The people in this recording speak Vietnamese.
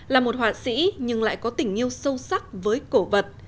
là một họa sĩ nhưng lại có tình yêu sâu sắc với cổ vật